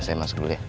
saya masuk dulu ya